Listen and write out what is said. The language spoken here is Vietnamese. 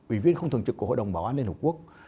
ủy viên không thường trực của hội đồng bảo an liên hợp quốc